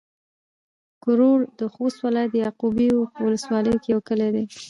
کرړو د خوست ولايت د يعقوبيو په ولسوالۍ کې يو کلی دی